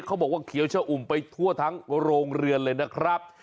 เขาบอกว่าเขียวชะอุ่มไปทั่วทั้งโรงเรือนเลยนะครับ